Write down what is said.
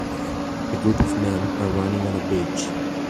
A group of men are running on a beach.